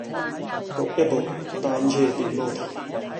搏一搏，單車變摩托